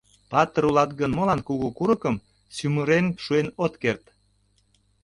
— Патыр улат гын, молан кугу курыкым сӱмырен шуэн от керт?